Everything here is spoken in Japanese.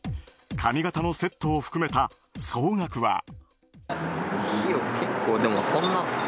髪形のセットを含めた総額は。